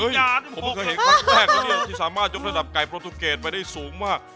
เฮ้ยผมไม่เคยเห็นครั้งแรกที่สามารถยกระดับไก่โปรตุเกตไปได้สูงมาก